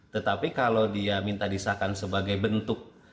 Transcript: tetapi kalau dia minta disahkan sebagai bentuk